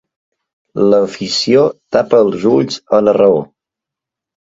L'afició tapa els ulls a la raó.